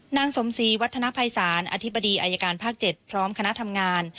นางสมศรีวัฒนภัยศาลอธิบดีอายการภาค๗พร้อมคณะทำงาน